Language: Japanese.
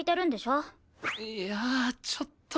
いやあちょっと。